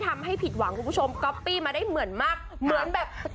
กระโดดเขาเหรอ